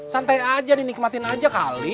santai saja dinikmatkan saja kali